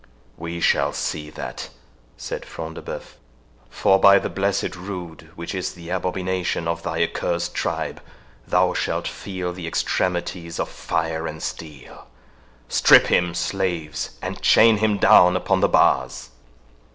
"We shall see that," said Front de Bœuf; "for by the blessed rood, which is the abomination of thy accursed tribe, thou shalt feel the extremities of fire and steel!—Strip him, slaves, and chain him down upon the bars."